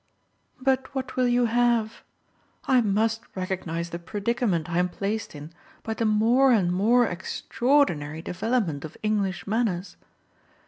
But what will you have? I must recognise the predicament I'm placed in by the more and more extraordinary development of English manners.